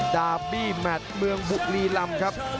ดาบี้แมทเมืองบุรีลำครับ